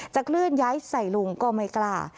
เคลื่อนย้ายใส่ลุงก็ไม่กล้า